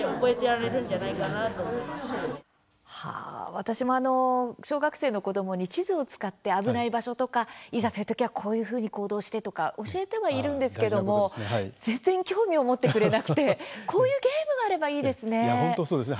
私も小学生の子どもに地図を使って危ない場所とかいざというときはこういうふうに行動してとか教えてはいるんですけれども全然興味を持ってくれなくてこういうゲームがあればいいですね。